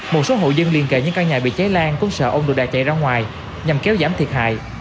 một số hộ dân liên kệ những căn nhà bị cháy lan cũng sợ ông được đã chạy ra ngoài nhằm kéo giảm thiệt hại